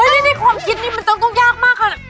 นี่ความคิดนี่มันต้องต้องยากมากค่ะ